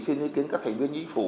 xin ý kiến các thành viên chính phủ